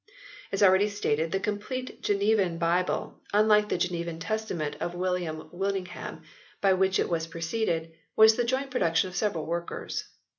As already stated the complete Genevan Bible, unlike the Genevan Testament of William Whitting v] THREE RIVAL VERSIONS 81 ham by which it was preceded, was the joint pro duction of several workers.